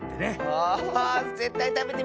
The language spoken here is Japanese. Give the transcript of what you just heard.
あぜったいたべてみたいッス！